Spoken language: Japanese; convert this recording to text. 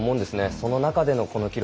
その中でのこの記録